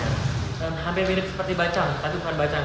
dan hampir minyak seperti bacang tapi bukan bacang